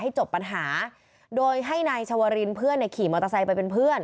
จบปัญหาโดยให้นายชวรินเพื่อนเนี่ยขี่มอเตอร์ไซค์ไปเป็นเพื่อน